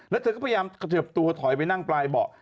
แล้วเธอก็พยายามกระเทิบตัวถอยไปนั่งปลายเบาะ